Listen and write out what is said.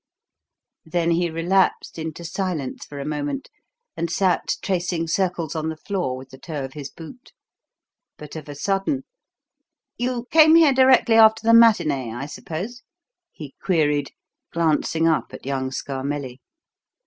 Then he relapsed into silence for a moment, and sat tracing circles on the floor with the toe of his boot. But, of a sudden: "You came here directly after the matinee, I suppose?" he queried, glancing up at young Scarmelli.